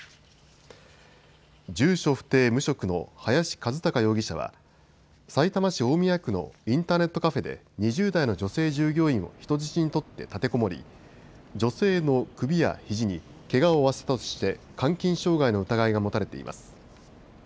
住所不定・無職の林一貴容疑者はさいたま市大宮区のインターネットカフェで２０代の女性従業員を人質に取って立てこもり女性の首やひじにけがを負わせとして監禁傷害の疑いが持たれています。